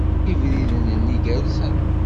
Ibriden-nni gerrzen.